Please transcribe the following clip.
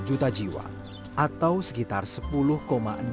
jumlah penduduk miskin indonesia berjumlah hampir dua puluh delapan juta orang